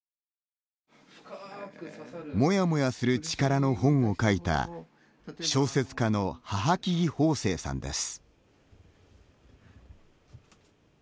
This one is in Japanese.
モヤモヤする力の本を書いた小説家の帚木蓬生さんです。